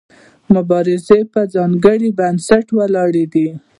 دا مبارزه په ځانګړي بنسټ ولاړه ده.